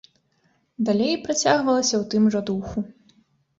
Далей працягвалася ў тым жа духу.